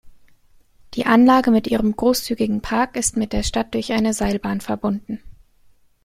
Die Anlage mit ihrem großzügigen Park ist mit der Stadt durch eine Seilbahn verbunden.